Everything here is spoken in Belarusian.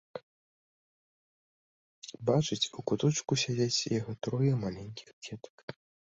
бачыць, у куточку сядзяць яго трое маленькiх дзетак...